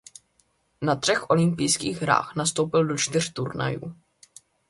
Na třech olympijských hrách nastoupil do čtyř turnajů.